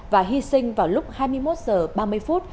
và hy sinh vào lúc hai mươi một h ba mươi phút